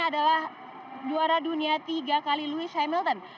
adalah juara dunia tiga kali louis hamilton